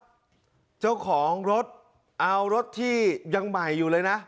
เจ้าของรถเอารถที่ยังใหม่อยู่เลยนะ